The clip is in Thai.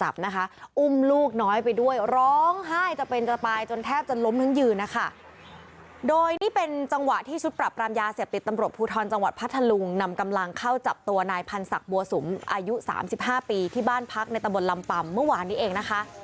บัวสุมอายุ๓๕ปีที่บ้านพักในตะบนลำปำเมื่อวานนี้เองนะคะ